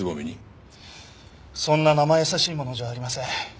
そんな生易しいものじゃありません。